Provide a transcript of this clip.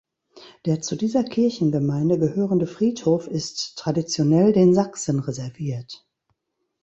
Der zu dieser Kirchengemeinde gehörende Friedhof ist traditionell den Sachsen reserviert.